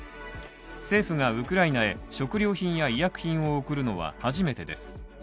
政府がウクライナへ食料品や医薬品を送るのは初めてです。